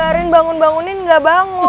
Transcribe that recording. biarin bangun bangunin gak bangun